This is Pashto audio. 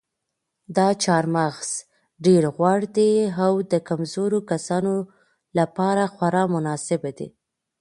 دا چهارمغز ډېر غوړ دي او د کمزورو کسانو لپاره خورا مناسب دي.